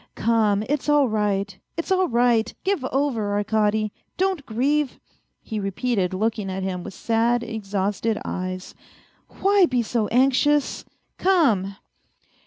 Come, it's all right, it's all right ! Give over, Arkady; don't grieve," he repeated, looking at him with sad, exhausted eyes. " Why be so anxious ? Come